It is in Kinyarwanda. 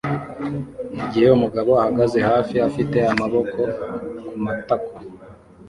mugihe umugabo ahagaze hafi afite amaboko kumatako